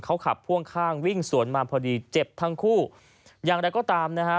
เขาขับพ่วงข้างวิ่งสวนมาพอดีเจ็บทั้งคู่อย่างไรก็ตามนะฮะ